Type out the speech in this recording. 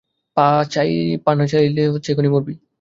পা চালা নইলে এখনই মরবি!